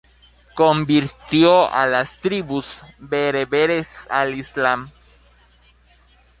Convirtió a las tribus bereberes al islam.